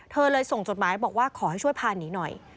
เธอเลยส่งจดหมายบอกว่าขอให้ช่วยพาหนีหน่อย